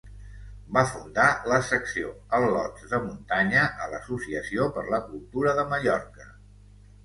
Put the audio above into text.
Va fundar la secció Al·lots de Muntanya a l'Associació per la Cultura de Mallorca.